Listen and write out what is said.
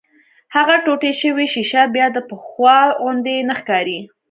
هغه ټوټې شوې ښيښه بيا د پخوا غوندې نه ښکاري.